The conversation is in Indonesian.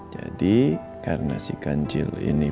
jadi karena si kancil ini